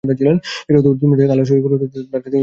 তোমরা যাকে আল্লাহর শরীক কর তার সাথে আমার কোন সংশ্রব নেই।